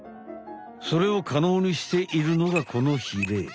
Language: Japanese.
それをかのうにしているのがこのヒレ。